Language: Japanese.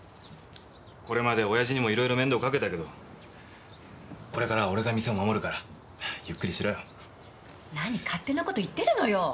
これまでおやじにもいろいろ面倒かけたけどこれからは俺が店を守るからゆっくりしろよなに勝手なこと言ってるのよ